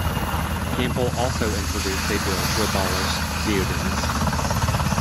Campbell also introduced a bill to abolish deodands.